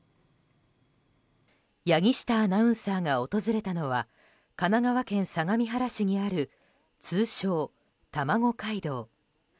柳下アナウンサーが訪れたのは神奈川県相模原市にある通称たまご街道。